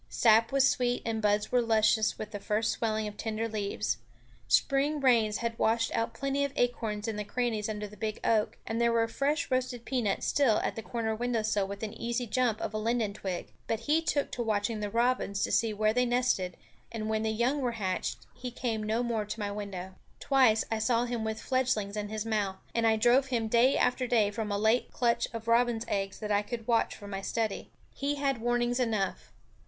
Sap was sweet and buds were luscious with the first swelling of tender leaves; spring rains had washed out plenty of acorns in the crannies under the big oak, and there were fresh roasted peanuts still at the corner window sill within easy jump of a linden twig; but he took to watching the robins to see where they nested, and when the young were hatched he came no more to my window. Twice I saw him with fledgelings in his mouth; and I drove him day after day from a late clutch of robin's eggs that I could watch from my study. He had warnings enough.